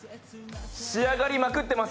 仕上がりまくってます。